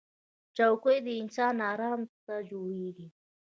چوکۍ د انسان ارام ته جوړېږي